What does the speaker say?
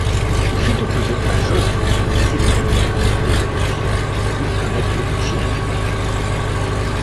Il fut opposé à Jost von Silenen, l'évêque de Sion puis à Matthieu Schiner.